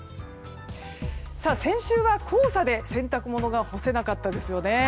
先週は黄砂で洗濯物が干せなかったですよね。